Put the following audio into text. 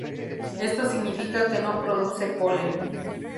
Esto significa que no produce polen.